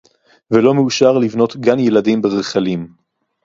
ולא מאושר לבנות גן-ילדים ברחלים